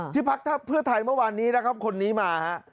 ที่พรรคเพื่อไทยเมื่อวานนี้คนนี้มา